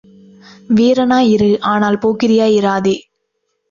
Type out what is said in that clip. வீரனாய் இரு ஆனால் போக்கிரியாய் இராதே.